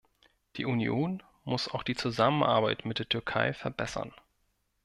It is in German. Die Union muss auch die Zusammenarbeit mit der Türkei verbessern.